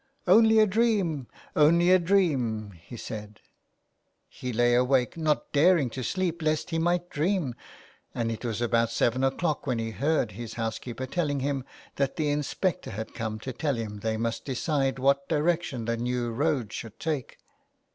'' Only a dream, only a dream," he said. He lay awake, not daring to sleep lest he might dream. And it was about seven o'clock when he heard his housekeeper telling him that the inspector had come to tell him they must decide what direction the new road should take.